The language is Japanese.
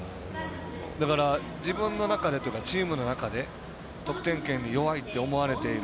だから自分の中でというかチームの中で得点圏に弱いと思われている。